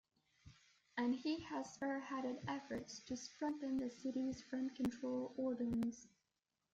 And he has spearheaded efforts to strengthen the city's rent control ordinance.